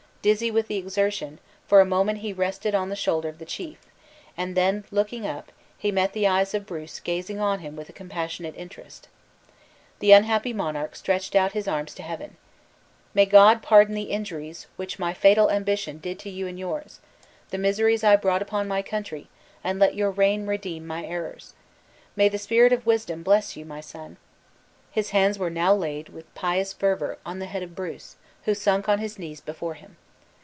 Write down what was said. Dizzy with the exertion, for a moment he rested on the shoulder of the chief; and then looking up, he met the eyes of Bruce gazing on him with compassionate interest. The unhappy monarch stretched out his arms to Heaven: "May God pardon the injuries which my fatal ambition did to you and yours the miseries I brought upon my country; and let your reign redeem my errors! May the spirit of wisdom bless you, my son!" His hands were now laid, with pious fervor, on the head of Bruce, who sunk on his knees before him.